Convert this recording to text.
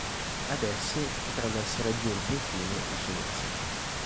Ad essi potranno essere aggiunti infine i Cinesi.